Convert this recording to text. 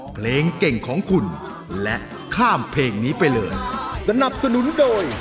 เพลงเก่งของคุณและข้ามเพลงนี้ไปเลย